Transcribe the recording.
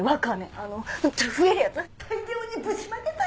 あの増えるやつ大量にぶちまけたい！